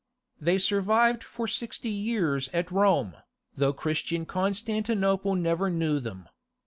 They survived for sixty years at Rome, though Christian Constantinople never knew them.